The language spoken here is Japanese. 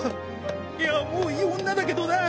いやもういい女だけどな。